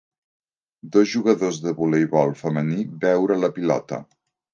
Dos jugadors de voleibol femení veure la pilota